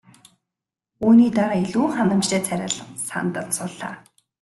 Үүний дараа илүү ханамжтай царайлан сандалд суулаа.